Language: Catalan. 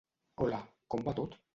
Hola, com va tot?